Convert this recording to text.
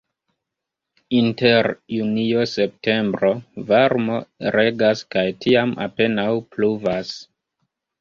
Inter junio-septembro varmo regas kaj tiam apenaŭ pluvas.